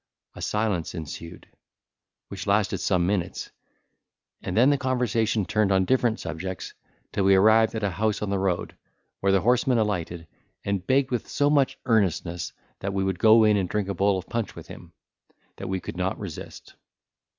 A silence ensued, which lasted some minutes, and then the conversation turned on different subjects, till we arrived at a house on the road, where the horseman alighted, and begged with so much earnestness that we would go in and drink a bowl of punch with him, that we could not resist.